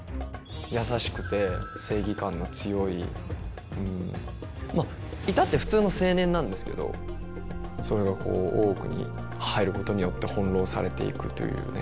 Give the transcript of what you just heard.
優しくて正義感の強いまあ至って普通の青年なんですけどそれがこう大奥に入ることによって翻弄されていくというね。